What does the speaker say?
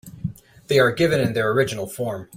They are given in their original form.